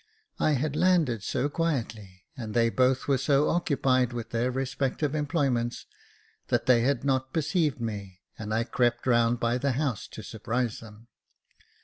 I had landed so quietly, and they both were so occupied with their respective employments, that they had not perceived me, and I crept round by the house to surprise them.